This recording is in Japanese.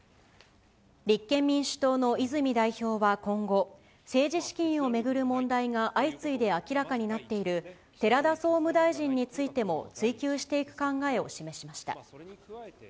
立憲民主党の泉代表は今後、政治資金を巡る問題が相次いで明らかになっている寺田総務大臣についても追及していく考えを示しました。